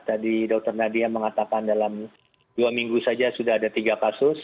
tadi dr nadia mengatakan dalam dua minggu saja sudah ada tiga kasus